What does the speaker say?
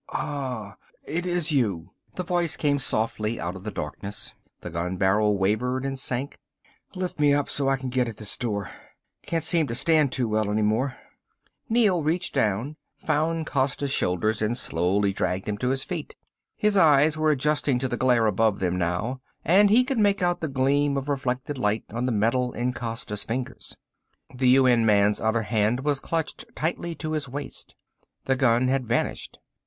"Ahh, it is you " the voice came softly out of the darkness, the gun barrel wavered and sank. "Lift me up so I can get at this door. Can't seem to stand too well any more." Neel reached down, found Costa's shoulders and slowly dragged him to his feet. His eyes were adjusting to the glare above them now, and he could make out the gleam of reflected light on the metal in Costa's fingers. The UN man's other hand was clutched tightly to his waist. The gun had vanished.